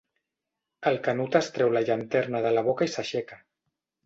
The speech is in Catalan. El Canut es treu la llanterna de la boca i s'aixeca.